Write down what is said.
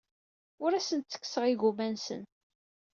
Ur asen-d-ttekkseɣ igumma-nsen.